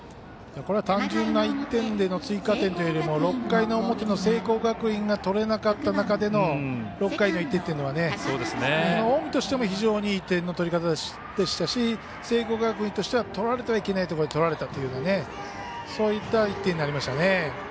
これは単純な１点での追加点というよりも６回の表の聖光学院が取れなかった中での６回の１点というのは近江としても非常にいい点の取り方でしたし聖光学院としては取られてはいけないところで取られたというそういった１点になりましたね。